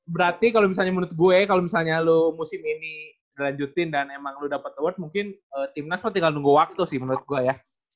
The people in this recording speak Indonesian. berarti kalo misalnya menurut gue kalo misalnya lu musim ini dilanjutin dan emang lu dapet award mungkin tim nasional tinggal nunggu waktu sih menurut gue ya